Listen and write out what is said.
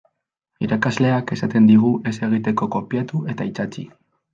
Irakasleak esaten digu ez egiteko kopiatu eta itsatsi.